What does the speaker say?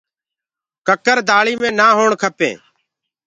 ڪڪر دآݪی مي نآ هوڻ کپينٚ۔